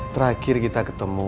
terakhir kita ketemu